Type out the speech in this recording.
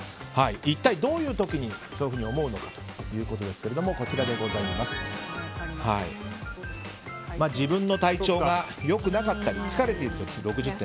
一体どういう時にそういうふうに思うのかということですが自分の体調が良くなかったり疲れている時、６０．３％。